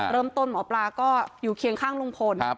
เริ่มต้นหมอปลาก็อยู่เคียงข้างลุงพล